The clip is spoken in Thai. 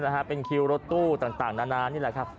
หัวหลักหัวหลัก